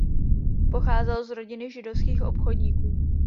Pocházel z rodiny židovských obchodníků.